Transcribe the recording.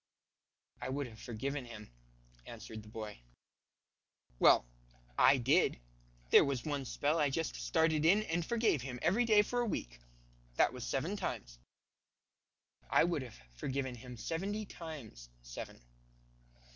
"I would have forgiven him," answered the boy. "Well, I did. There was one spell I just started in and forgave him every day for a week, that was seven times." "I would have forgiven him seventy times seven."